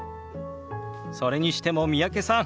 それにしても三宅さん